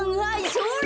それ！